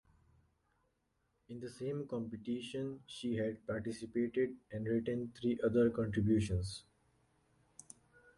In the same competition she had participated and written three other contributions.